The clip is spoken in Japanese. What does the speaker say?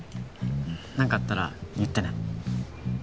なんかあったら言ってね。